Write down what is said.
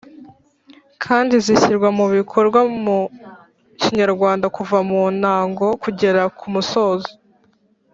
kandi zishyirwa mu bikorwa mu kinyarwanda kuva mu ntango kugera ku musozo.